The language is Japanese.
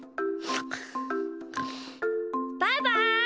バイバイ！